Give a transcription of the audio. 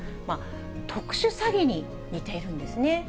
特殊詐欺に似ているんですね。